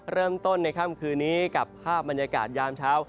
เริ่มต้นในค่ำคืนนี้กับภาพบรรยากาศยามเช้า